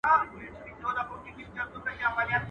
چي منگول ته مو جوړ کړی عدالت دئ.